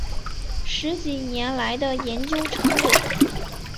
十几年来的研究成果